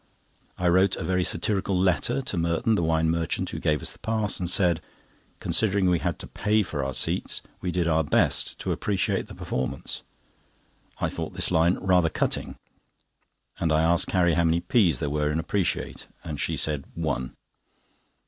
I wrote a very satirical letter to Merton, the wine merchant, who gave us the pass, and said, "Considering we had to pay for our seats, we did our best to appreciate the performance." I thought this line rather cutting, and I asked Carrie how many p's there were in appreciate, and she said, "One."